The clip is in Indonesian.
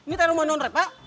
ini rumah non pak